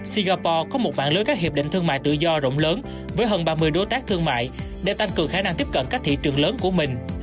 singapore có một mạng lưới các hiệp định thương mại tự do rộng lớn với hơn ba mươi đối tác thương mại để tăng cường khả năng tiếp cận các thị trường lớn của mình